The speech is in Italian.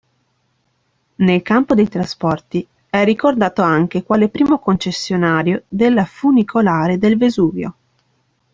Nel campo dei trasporti è ricordato anche quale primo concessionario della funicolare del Vesuvio.